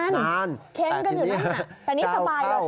นานเค็มกันอยู่นั่นแต่นี่สบายเลย